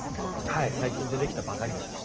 はい最近出てきたばかりです。